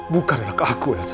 bukan anak aku elsa